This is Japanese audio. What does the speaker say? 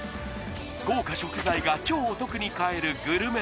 豪華食材が超お得に買えるグルメ